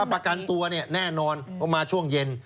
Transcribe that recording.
ประกันตัวเนี่ยแน่นอนว่ามาช่วงเย็น